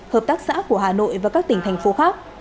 hợp tác xã của hà nội và các tỉnh thành phố khác